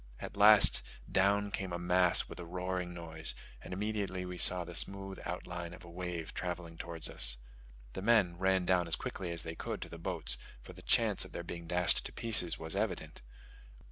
At last, down came a mass with a roaring noise, and immediately we saw the smooth outline of a wave travelling towards us. The men ran down as quickly as they could to the boats; for the chance of their being dashed to pieces was evident.